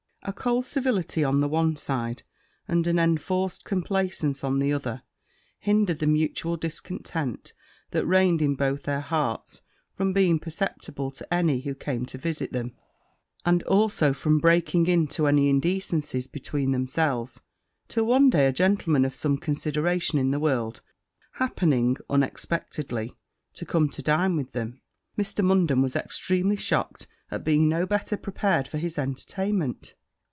A cold civility on the one side, and an enforced complaisance on the other, hindered the mutual discontent that reigned in both their hearts from being perceptible to any who came to visit them, and also from breaking into any indecencies between themselves; till one day a gentleman of fine consideration in the world happening, unexpectedly, to come to dine with them, Mr. Munden was extremely shocked at being no better prepared for his entertainment.